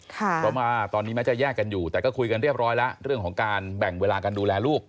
เพราะว่าตอนนี้แม้จะแยกกันอยู่แต่ก็คุยกันเรียบร้อยแล้วเรื่องของการแบ่งเวลาการดูแลลูก